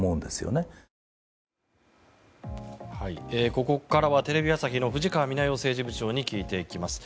ここからはテレビ朝日の藤川みな代政治部長に聞いていきます。